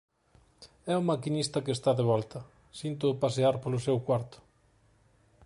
É o maquinista, que está de volta; síntoo pasear polo seu cuarto.